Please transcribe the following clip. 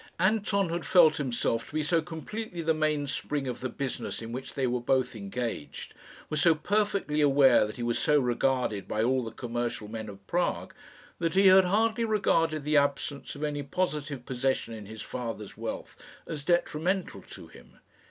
Anton had felt himself to be so completely the mainspring of the business in which they were both engaged was so perfectly aware that he was so regarded by all the commercial men of Prague that he had hardly regarded the absence of any positive possession in his father's wealth as detrimental to him.